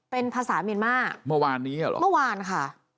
เป็นภาษาเมียนมาเมื่อวานนี้เหรอเมื่อวานค่ะ